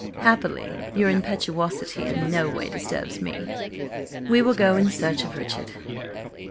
"Happily, your impetuosity in no way disturbs me. We will go in search of Richard."